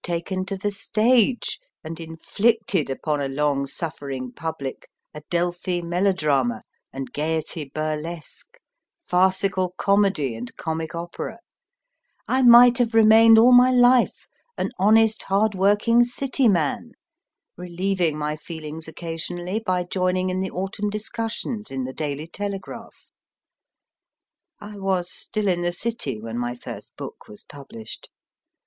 taken to the stage, and inflicted upon a long suffering public Adelphi melodrama and Gaiety burlesque, farcical comedy and comic opera ; I might have remained all my life an honest, hard working City man, relieving my feelings occasionally by joining in the autumn discussions in the Daily Telegraph, I was still in the City when my first book was published.